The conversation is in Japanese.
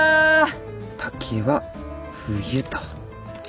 竹は冬と。